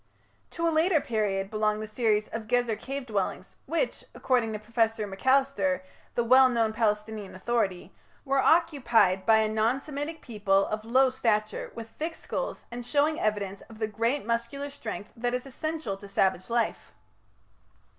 To a later period belong the series of Gezer cave dwellings, which, according to Professor Macalister, the well known Palestinian authority, "were occupied by a non Semitic people of low stature, with thick skulls and showing evidence of the great muscular strength that is essential to savage life".